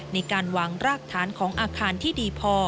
ในการวางรากฐานของอาคารที่ดีพอ